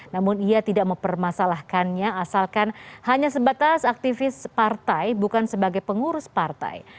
namun ia tidak mempermasalahkannya asalkan hanya sebatas aktivis partai bukan sebagai pengurus partai